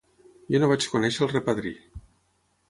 Jo no vaig conèixer el repadrí.